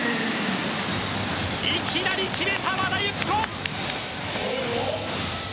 いきなり決めた、和田由紀子。